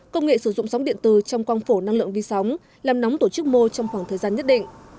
công nghệ sử dụng sóng điện tử trong quang phổ năng lượng vi sóng làm nóng tổ chức mô trong khoảng thời gian nhất định